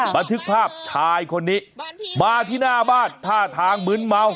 บันทึกภาพชายคนนี้มาที่หน้าบ้านท่าทางมึนเมา